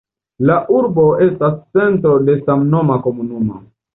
La urbo estas centro de samnoma komunumo.